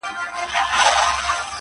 o تا خو کړئ زموږ د مړو سپکاوی دی,